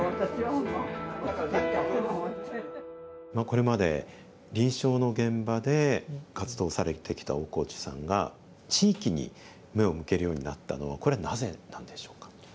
これまで臨床の現場で活動されてきた大河内さんが地域に目を向けるようになったのはこれなぜなんでしょうか？